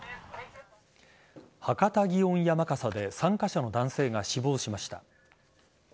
博多祇園山笠で参加者の男性が死亡しました。